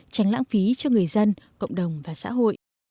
tránh lãng phí cho người dân cộng đồng và xã hội